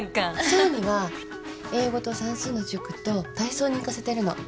爽には英語と算数の塾と体操に行かせてるの。